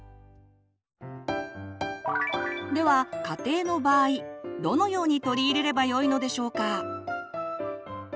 では家庭の場合どのように取り入れればよいのでしょうか？